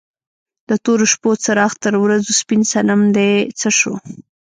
د تورو شپو څراغ تر ورځو سپین صنم دې څه شو؟